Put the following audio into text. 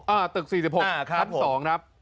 ตึก๔๖ชั้น๒ครับ